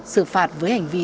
xử phạt với hành vi